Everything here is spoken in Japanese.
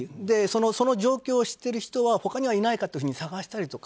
その状況を知っている人は他にいないかと探したりとか。